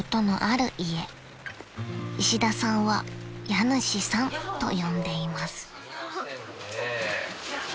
［石田さんは家主さんと呼んでいます］